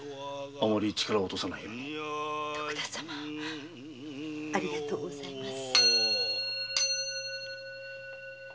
徳田様ありがとうございます。